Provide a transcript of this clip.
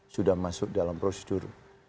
sudah masuk dalam prosedur